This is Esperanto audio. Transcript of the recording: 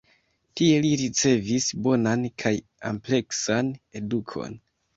Tie li ricevis bonan kaj ampleksan edukon.